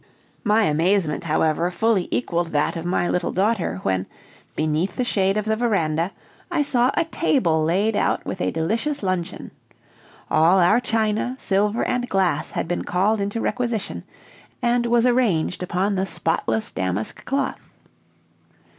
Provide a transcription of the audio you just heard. My amazement, however, fully equaled that of my little daughter when, beneath the shade of the veranda, I saw a table laid out with a delicious luncheon. All our china, silver, and glass had been called into requisition, and was arranged upon the spotless damask cloth.